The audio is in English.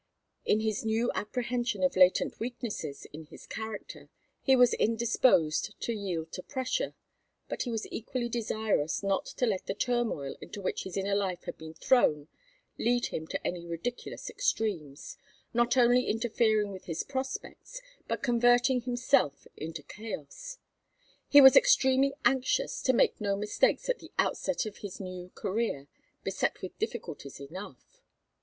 In his new apprehension of latent weaknesses in his character he was indisposed to yield to pressure, but he was equally desirous not to let the turmoil into which his inner life had been thrown lead him to any ridiculous extremes; not only interfering with his prospects, but converting himself into chaos. He was extremely anxious to make no mistakes at the outset of his new career, beset with difficulties enough.